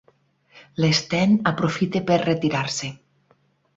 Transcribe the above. L'Sten aprofita per retirar-se.